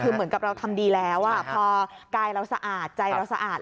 คือเหมือนกับเราทำดีแล้วพอกายเราสะอาดใจเราสะอาด